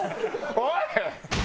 おい！